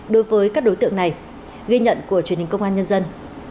đối tượng này ghi nhận của truyền hình công an nhân dân